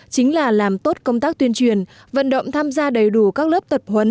chính là làm tốt công tác tuyên truyền vận động tham gia đầy đủ các lớp tập huấn